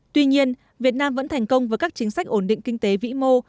tuy nhiên việt nam vẫn thành công với các chính sách ổn định kinh tế vĩ mô